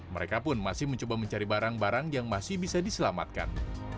mereka pun masih mencoba mencari barang barang yang masih bisa diselamatkan